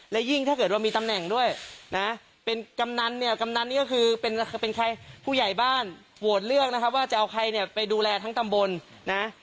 และยิ่งถ้าเกิดว่ามีตำแหน่งด้วยนะเป็นกำนันเนี่ยกำนันนี้ก็คือเป็นใครผู้ใหญ่บ้านโหวตเลือกนะครับว่าจะเอาใครเนี่ยไปดูแลทั้งตำบลนะ